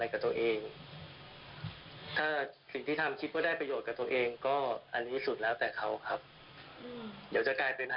แล้วเคสที่ว่าที่เกิดปี๕๙ที่ลาบบุรี